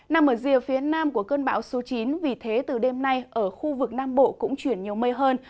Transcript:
nằm ở rìa phía nam của cơn bão số chín vì thế từ đêm nay ở khu vực nam bộ cũng chuyển nhiều mây hơn